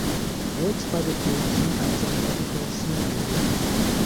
Works by the two sometimes have technical similarities.